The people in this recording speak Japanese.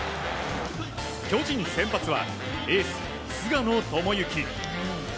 巨人先発はエース、菅野智之。